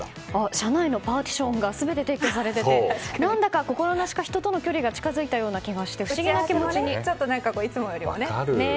社内のパーティションが全て撤去されていて何だか、心なしか人との距離が近づいたような気がしてちょっといつもよりね。